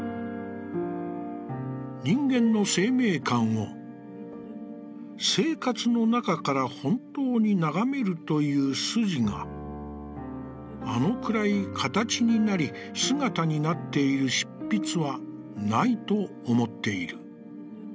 「人間の生命感を、生活の中からほんとうにながめるという筋が、あのくらい形になり、姿になっている執筆はないと思っている」。